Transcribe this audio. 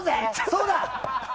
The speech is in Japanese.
そうだ！